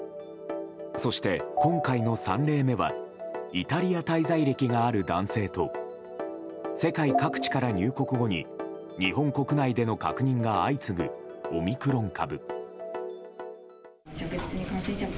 そして、今回の３例目はイタリア滞在歴がある男性と世界各地から入国後に日本国内での確認が相次ぐオミクロン株。